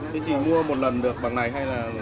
thì chị mua một lần được bằng này hay là